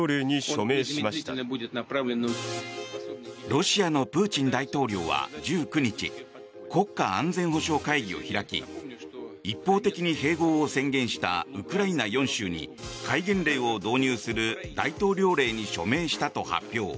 ロシアのプーチン大統領は１９日国家安全保障会議を開き一方的に併合を宣言したウクライナ４州に戒厳令を導入する大統領令に署名したと発表。